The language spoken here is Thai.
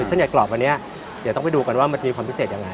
เส้นใหญ่กรอบวันนี้เดี๋ยวต้องไปดูกันว่ามันจะมีความพิเศษยังไง